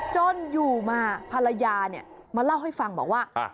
จนอยู่มาภรรยามาเล่าให้ฟังบอกว่า